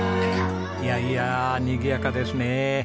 いやいやにぎやかですね。